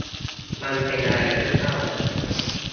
มันเป็นอะไรที่เศร้า